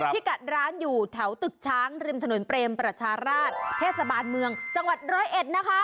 พี่กัดร้านอยู่แถวตึกช้างริมถนนเปรมประชาราชเทศบาลเมืองจังหวัดร้อยเอ็ดนะคะ